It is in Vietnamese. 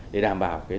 để đảm bảo đối tượng